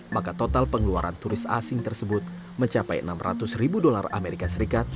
maka total pengeluaran turis asing tersebut mencapai enam ratus dolar amerika serikat